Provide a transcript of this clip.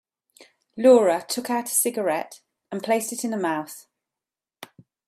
Laura took out a cigarette and placed it in her mouth.